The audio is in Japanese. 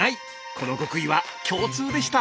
この極意は共通でした。